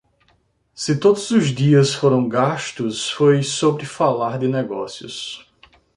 Se todos os dias foram gastos, foi sobre falar de negócios.